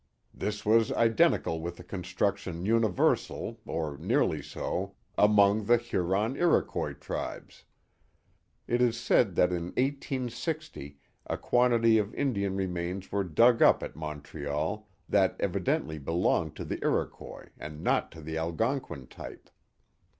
This was identical with the construction universal, or nearly so, among the Huron Ifoquois tribes." It is said that in i860 a quantity of Indian remains were dug up at Montreal that evidently be longed to the Iroquois and not to the Algonquin type.